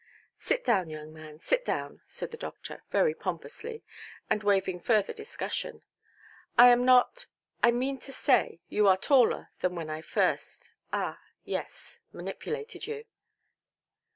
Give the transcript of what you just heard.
"Sit down, young man, sit down", said the doctor, very pompously, and waiving further discussion. "I am not—I mean to say you are taller than when I first—ah, yes, manipulated you".